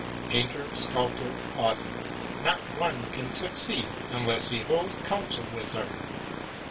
Painter, sculptor, author, not one can succeed unless he hold counsel with her.